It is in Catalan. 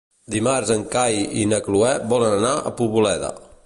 Dimarts en Cai i na Cloè volen anar a Poboleda.